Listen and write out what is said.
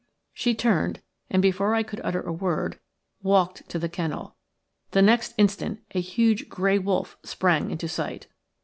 She turned, and before I could utter a word walked to the kennel. The next instant a huge grey wolf sprang into sight.